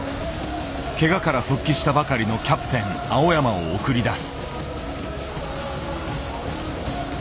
けがから復帰したばかりのキャプテン青山を送り出す。